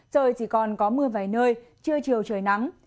trời chỉ còn có mưa vài nơi trưa chiều trời nắng